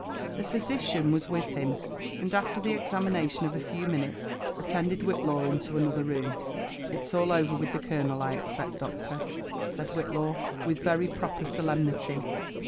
The physician was with him, and after thQ examioatiop of a few minutes, attended Whitlaw into another room. It's all over with the colonel, I expect, doctor ?" said Whitlaw with very proper solemnity.